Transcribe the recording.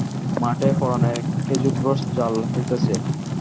মাঠে পরাণের খেজুররস জ্বাল হইতেছে।